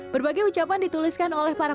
berbagai ucapan dituliskan oleh pak jokowi